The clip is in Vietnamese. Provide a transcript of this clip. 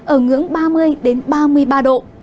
ở ngưỡng ba mươi đến ba mươi ba độ